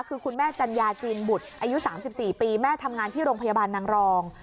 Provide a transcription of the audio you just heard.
คือคุณแม่จัญญาจีนบุตรอายุ๓๔ปีแม่ทำงานที่โรงพยาบาลนางรอง